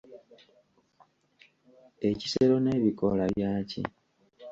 Ekisero n'ebikoola byaki?